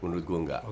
menurut gue enggak